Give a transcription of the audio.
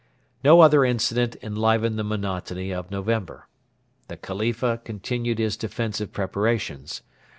No other incident enlivened the monotony of November. The Khalifa continued his defensive preparations.